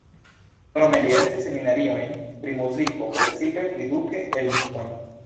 Krome li estris seminariojn pri muziko, precipe pri Duke Ellington.